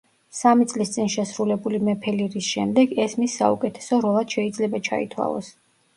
სამი წლის წინ შესრულებული მეფე ლირის შემდეგ, ეს მის საუკეთესო როლად შეიძლება ჩაითვალოს.